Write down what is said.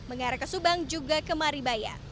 mengarah ke subang juga ke maribaya